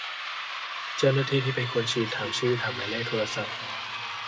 เจ้าหน้าที่ที่เป็นคนฉีด ถามชื่อ ถามหมายเลขโทรศัพท์